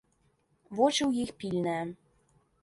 Вочы ў іх пільныя.